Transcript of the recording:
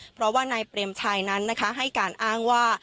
เพราะว่านายเปรมชัยนั้นนะคะให้การอ้างว่า